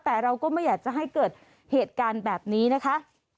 แต่เราก็ไม่อยากจะให้เกิดเหตุการณ์แบบนี้นะคะ